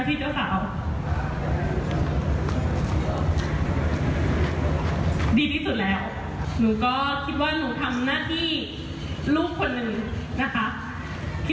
คิดว่างานนี้เป็นงานของหนูเป็นงานของพ่อกับแม่และก็หนูนะคะที่จัดขึ้นในวันนี้